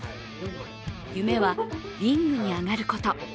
夢はリングに上がること。